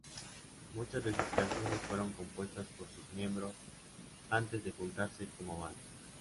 Muchas de sus canciones fueron compuestas por sus miembros antes de juntarse como banda.